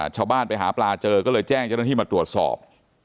ชาวบ้านไปหาปลาเจอก็เลยแจ้งเจ้าหน้าที่มาตรวจสอบ